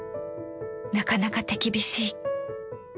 なかなか手厳しい。